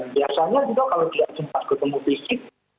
biasanya juga kalau tidak sempat ketemu fisik